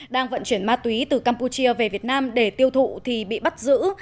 đang vận chuyển ma túy từ campuchia về việt nam để tiêu thụ thì bị bắt giữ